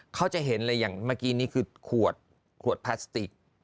เขาจะเห็นเลยอย่างเมื่อกี้นี่คือขวดขวดพลาสติก